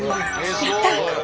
やった！